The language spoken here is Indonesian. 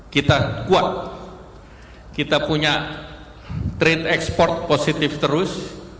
kita kuat kita punya trade export positif terus